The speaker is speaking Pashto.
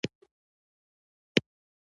چې د پاڼو په منځ کې پټه ځړېدله.